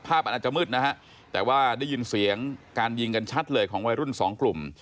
อาจจะมืดนะฮะแต่ว่าได้ยินเสียงการยิงกันชัดเลยของวัยรุ่นสองกลุ่ม